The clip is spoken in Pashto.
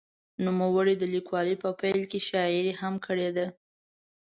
نوموړي د لیکوالۍ په پیل کې شاعري هم کړې ده.